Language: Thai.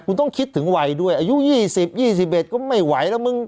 คุณต้องคิดถึงวัยด้วยอายุยี่สิบยี่สิบเอ็ดก็ไม่ไหวแล้วมึง